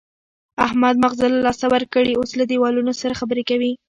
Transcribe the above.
احمد ماغزه له لاسه ورکړي، اوس له دېوالونو سره خبرې کوي.